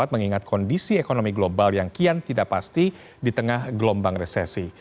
mengingat kondisi ekonomi global yang kian tidak pasti di tengah gelombang resesi